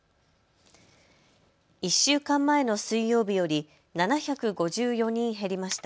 １週間前の水曜日より７５４人減りました。